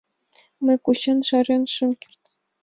Мый кучен чарен шым керт!